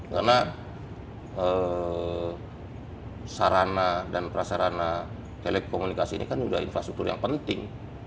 karena sarana dan prasarana telekomunikasi ini kan udah infrastruktur yang penting